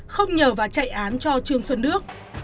không nhờ và chạy án cho trương xuân đức